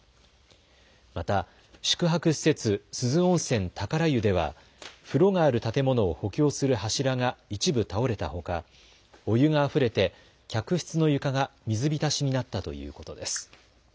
また宿泊施設、珠洲温泉宝湯では風呂がある建物を補強する柱が一部倒れたほか、お湯があふれて客室の床が水浸しになったということです。